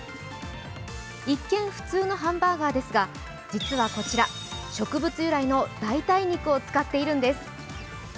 一見普通のハンバーガーですが、実はこちら、植物由来の代替肉を使っているんです。